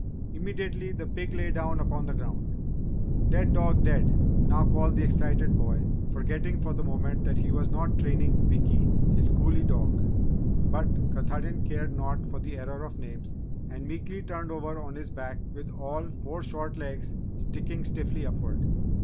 Immediately, the pig lay down upon the ground. "Dead dog, Dead!" now called the excited boy, forgetting for the moment that he was not training Wickee, his collie dog. But Katahdin cared naught for the error of names, and meekly turned over on his back with all four short legs sticking stiffly upward.